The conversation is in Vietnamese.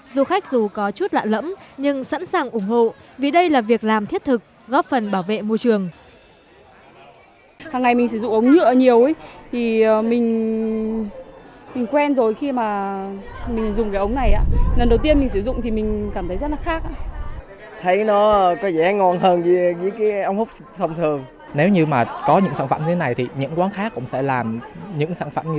du khách dù có chút lạ lẫm nhưng sẵn sàng ủng hộ vì đây là việc làm thiết thực góp phần bảo vệ môi trường